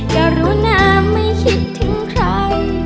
ก็รู้น่าไม่คิดถึงใคร